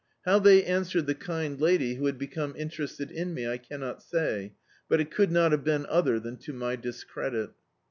How they answered the kind lady who had become interested in me, I cannot say, but it could not have been other than to my discredit.